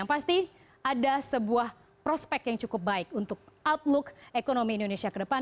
yang pasti ada sebuah prospek yang cukup baik untuk outlook ekonomi indonesia ke depan